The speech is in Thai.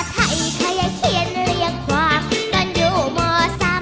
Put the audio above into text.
ด้วยเป็นกำลังใจ